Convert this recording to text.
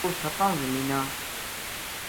وہ ستاں زمیناں